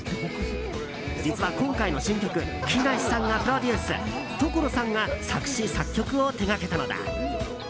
実は今回の新曲木梨さんがプロデュース所さんが作詞・作曲を手掛けたのだ。